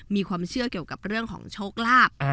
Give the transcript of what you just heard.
มีความเชื่อเกี่ยวกับเรื่องของโชคลาภ